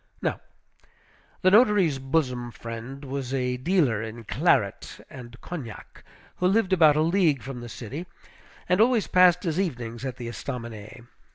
Now, the notary's bosom friend was a dealer in claret and cognac, who lived about a league from the city, and always passed his evenings at the Estaminet.